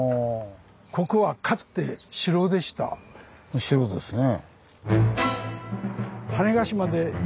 お城ですね。